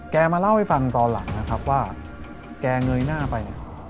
มาเล่าให้ฟังตอนหลังนะครับว่าแกเงยหน้าไปเนี่ย